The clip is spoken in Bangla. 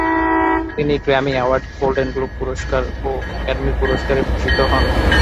তিনি গ্র্যামি অ্যাওয়ার্ড, গোল্ডেন গ্লোব পুরস্কার ও একাডেমি পুরস্কারে ভূষিত হন।